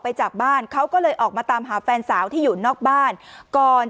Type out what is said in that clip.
จากบ้านเขาก็เลยออกมาตามหาแฟนสาวที่อยู่นอกบ้านก่อน